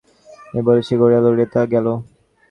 এই বলিয়া ঘর ছাড়িয়া ললিতা চলিয়া গেল।